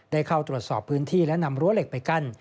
ได้เข้าตรวจสอบพื้นที่และนำรั้วเหล็กไปกั้น